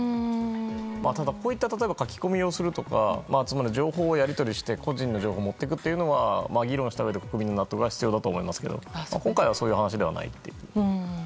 ただ、こういった書き込みをするとかつまり情報をやり取りして個人の情報を持っていくというのは議論したうえで国民の納得が必要だと思いますが今回はそういう話ではないので。